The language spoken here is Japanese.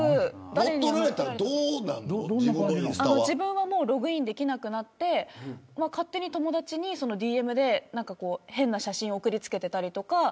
自分はログインできなくなって勝手に友達にＤＭで変な写真を送りつけたりとか。